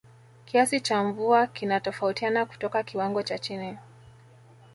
Kiasi cha mvua kinatofautiana kutoka kiwango cha chini